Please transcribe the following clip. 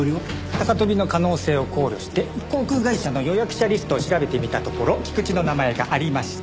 高飛びの可能性を考慮して航空会社の予約者リストを調べてみたところ菊池の名前がありました。